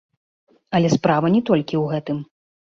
Але справа не толькі ў гэтым.